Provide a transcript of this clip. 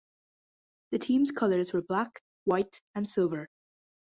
The team's colours were black, white and silver.